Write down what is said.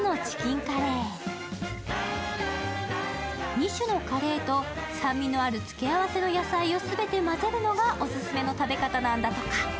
２種のカレーと酸味のある付け合わせの野菜を全て混ぜるのがオススメの食べ方なんだとか。